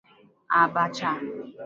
Abacha